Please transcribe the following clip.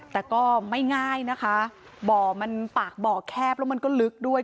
แต่ก็ไม่ง่ายนะคะบ่อมันปากบ่อแคบแล้วมันก็ลึกด้วย